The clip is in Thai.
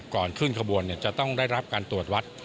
ก่อนขึ้นขบวนจะต้องได้รับการตรวจวัด